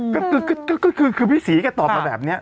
ก็คือพี่ศรีแกตอบมาแบบนี้